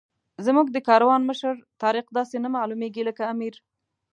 زموږ د کاروان مشر طارق داسې نه معلومېږي لکه امیر.